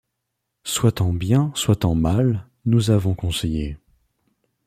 Soit en bien, soit en mal, nous avons conseillé